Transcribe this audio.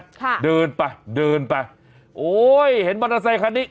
ค่ะดื่นไปดื่นไปโอ๊ยเห็นบรรทัศน์คันนี้